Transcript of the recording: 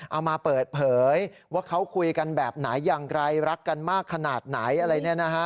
เอามาเปิดเผยว่าเขาคุยกันแบบไหนอย่างไรรักกันมากขนาดไหนอะไรเนี่ยนะฮะ